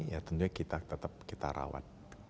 ya tentunya kita tetap kita rawat